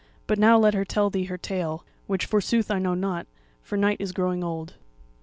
But now let her tell thee her tale (which forsooth I know not), for night is growing old."